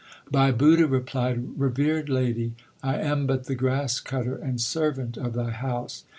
Bhai Budha replied, Revered lady, I am but the grass cutter and servant of thy house.